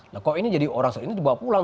nah kok ini jadi orang di bawa pulang